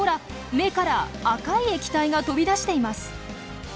目から赤い液体が飛び出しています。